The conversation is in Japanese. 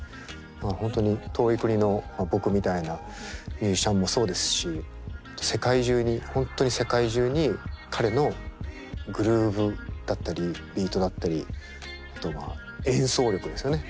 本当に遠い国の僕みたいなミュージシャンもそうですし世界中に本当に世界中に彼のグルーヴだったりビートだったりあとは演奏力ですよね